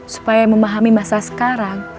bisa berbicara tentang masa sekarang